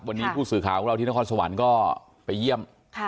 วันนี้ผู้สื่อข่าวของเราที่นครสวรรค์ก็ไปเยี่ยม